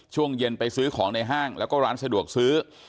ช่วงเย็นไปซื้อของในห้างแล้วก็ร้านสะดวกซื้อ